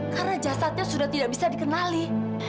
karena jasadnya sudah tidak bisa dikenali